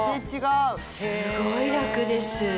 すごい楽です。